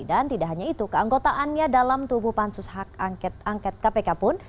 dan tidak hanya itu keanggotaannya dalam tubuh pansus hak angket angket kpk pun